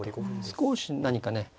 少し何かね